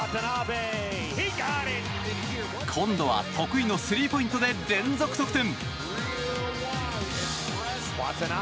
今度は得意のスリーポイントで連続得点。